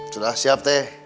sudah siap teh